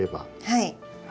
はい。